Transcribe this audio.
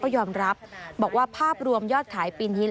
ยอมรับบอกว่าภาพรวมยอดขายปีนี้